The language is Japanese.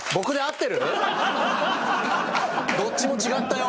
どっちも違ったよ。